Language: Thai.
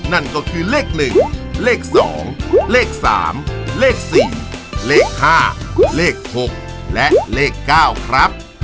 นั่นก็คือเลข๑เลข๒เลข๓เลข๔เลข๕เลข๖และเลข๙ครับ